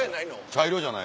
茶色じゃない。